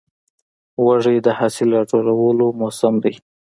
وږی د حاصل راټولو موسم دی.